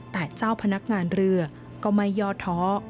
แต่เจ้าพนักงานเรือก็ไม่ย่อท้อ